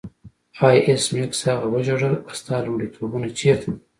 آه ایس میکس هغه وژړل ستا لومړیتوبونه چیرته دي